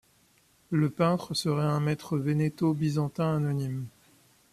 Le peintre serait un maître vénéto-byzantin anonyme.